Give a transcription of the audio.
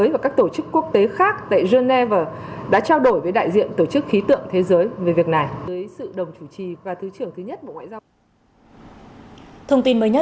và các cái vấn đề khác trên địa bàn